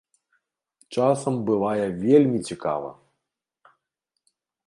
Часам бывае вельмі цікава!